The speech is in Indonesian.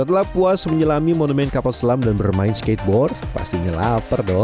setelah puas menyelami monumen kapal selam dan bermain skateboard pastinya lapar dong